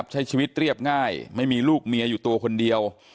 ใช้ชีวิตเรียบง่ายไม่มีลูกเมียอยู่ตัวคนเดียว